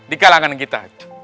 di kalangan kita